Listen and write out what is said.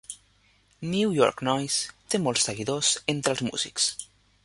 "New York Noise" té molts seguidors entre els músics.